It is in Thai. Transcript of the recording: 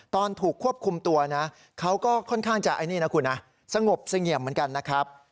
ตอนถูกควบคุมตัวเขาก็ค่อนข้างจะสงบเสียงเหยียมเหมือนกัน